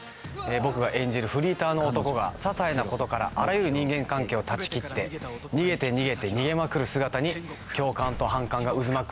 僕が演じるフリーターの男がささいなことからあらゆる人間関係を断ち切って逃げて逃げて逃げまくる姿に共感と反感が渦巻く